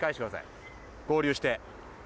合流して。